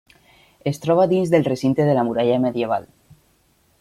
Es troba dins el recinte de la muralla medieval.